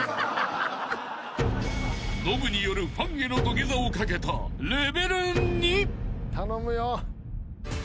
［ノブによるファンへの土下座をかけたレベル２］頼むよ。